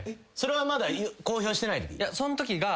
それはまだ公表してないとき？